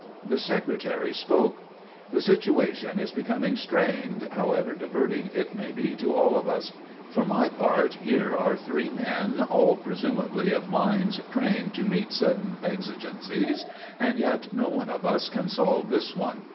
The Secretary spoke: "The situation is becoming strained, however diverting it may be to all of us. For my part, here are three men, all presumably of minds trained to meet sudden exigencies, and yet no one of us can solve this one.